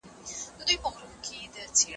هغه څوک چي اوبه ورکوي مهربان وي.